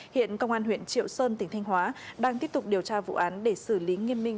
hiện công an huyện triệu sơn tỉnh thanh hóa đang tiếp tục điều tra vụ án để xử lý nghiêm minh